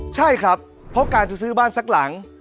ใช่ครับเพราะการจะซื้อบ้านสักหลัง